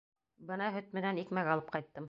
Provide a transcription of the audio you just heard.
Бына һөт менән икмәк алып ҡайттым.